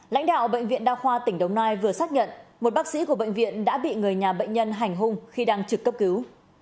lãnh đạo bệnh viện đa khoa tỉnh đồng nai vừa xác nhận một bác sĩ của bệnh viện đã bị người nhà bệnh nhân hành hung khi đang trực cấp cứu